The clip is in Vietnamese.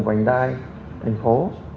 vành đai thành phố